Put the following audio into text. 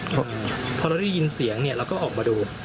เพราะเราได้ยินเสียงเราก็ออกมาดู